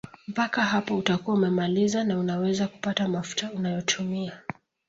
Mpaka hapo utakuwa umemaliza na unaweza kupaka mafuta unayotumia